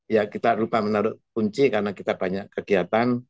ya kita lupa menaruh kunci karena kita banyak kegiatan